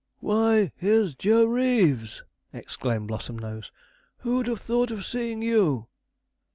'Why, here's Joe Reeves!' exclaimed Blossomnose. 'Who'd have thought of seeing you?'